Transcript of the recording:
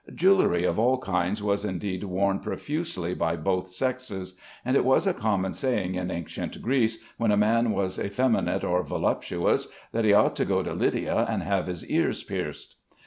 Jewelry of all kinds was indeed worn profusely by both sexes, and it was a common saying in ancient Greece, when a man was effeminate or voluptuous, that he ought to go to Lydia and have his ears pierced.